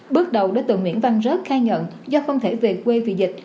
bước đầu đối tượng nguyễn văn rớt khai nhận do không thể về quê vì dịch